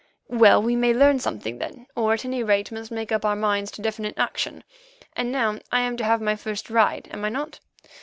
Well, we may learn something then, or at any rate must make up our minds to definite action. And now I am to have my first ride, am I not?